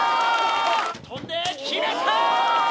跳んで決めた！